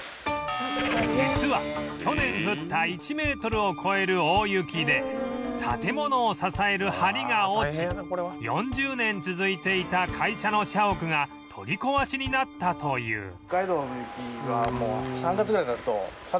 実は去年降った１メートルを超える大雪で建物を支える梁が落ち４０年続いていた会社の社屋が取り壊しになったという